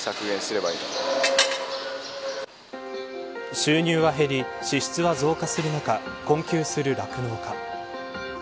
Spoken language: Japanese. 収入は減り、支出は増加する中困窮する酪農家。